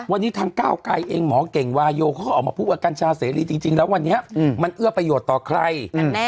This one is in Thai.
วันนี้ทางก้าวไกรเองหมอเก่งวาโยเขาก็ออกมาพูดว่ากัญชาเสรีจริงแล้ววันนี้มันเอื้อประโยชน์ต่อใคร